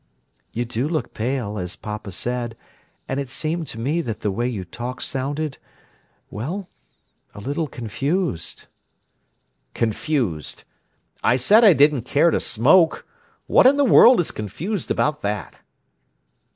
"You do look pale, as papa said, and it seemed to me that the way you talked sounded—well, a little confused." "'Confused'! I said I didn't care to smoke. What in the world is confused about that?"